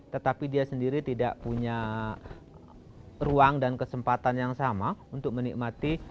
tetapi dia sendiri tidak punya ruang dan kesempatan yang sama untuk menikmati